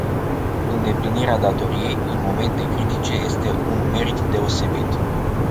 Îndeplinirea datoriei, în momente critice este unmerit deosebit.